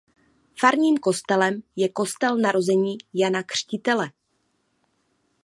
Farním kostelem je kostel Narození Jana Křtitele.